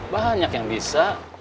banyak yang bisa